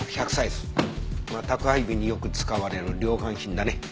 まあ宅配便によく使われる量販品だね。